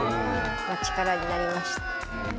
力になりました。